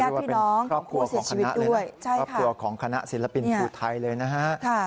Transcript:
ก็เรียกว่าเป็นครอบครัวของคณะศิลปินภูทัยเลยนะฮะ